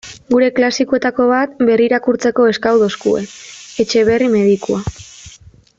Gure klasikoetako bat berrirakurtzeko eskatu digute: Etxeberri medikua.